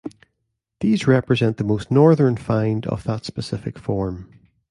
These represent the most northern find of that specific form.